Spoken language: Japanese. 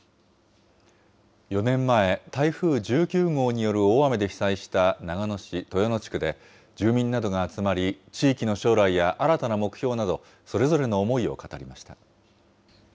４年前、台風１９号による大雨で被災した長野市豊野地区で、住民などが集まり、地域の将来や新たな目標など、それぞれの思いを語りました。